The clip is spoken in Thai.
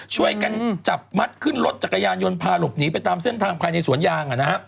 ช่วยกันจับมัดขึ้นรถจักรยานยนต์พาหลบหนีไปตามเส้นทางภายในสวนยาง